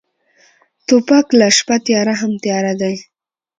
توپک له شپه تیاره هم تیاره دی.